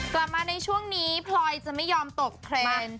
กลับมาในช่วงนี้พลอยจะไม่ยอมตกเทรนด์